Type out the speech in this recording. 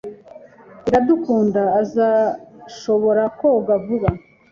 Iradukunda azashobora koga vuba.